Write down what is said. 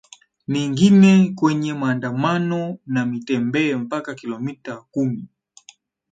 niingie kwenye maandamano na mitembee mpaka kilomita kumi